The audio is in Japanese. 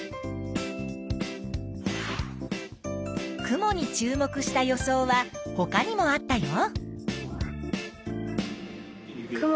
雲に注目した予想はほかにもあったよ。